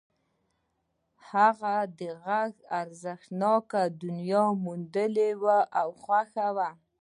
هغه د غږ ارزښتناکه دنيا موندلې وه او خوښ و.